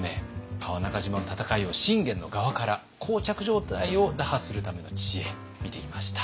川中島の戦いを信玄の側から膠着状態を打破するための知恵見てきました。